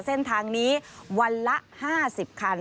เส้นทางนี้วันละ๕๐คัน